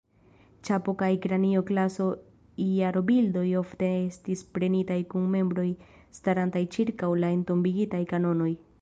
Ĉapo kaj Kranio-klaso-jarobildoj ofte estis prenitaj kun membroj starantaj ĉirkaŭ la entombigitaj kanonoj.